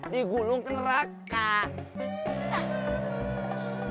digulung ke neraka